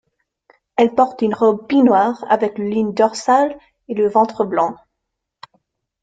Elle porte une robe pie noire, avec le ligne dorsale et le ventre blancs.